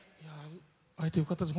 会えてよかったです。